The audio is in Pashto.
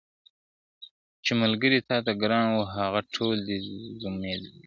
چي ملګري تاته ګران وه هغه ټول دي زمولېدلي `